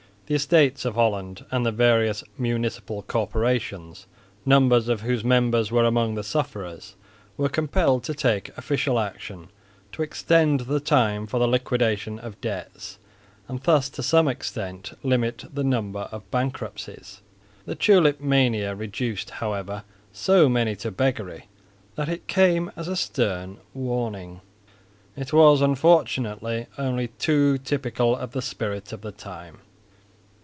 The Estates of Holland and the various municipal corporations, numbers of whose members were among the sufferers, were compelled to take official action to extend the time for the liquidation of debts, and thus to some extent limit the number of bankruptcies. The tulip mania reduced, however, so many to beggary that it came as a stern warning. It was unfortunately only too typical of the spirit of the time.